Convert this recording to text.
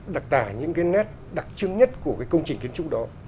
đặc tả những cái nét đặc trưng nhất của cái công trình kiến trúc đó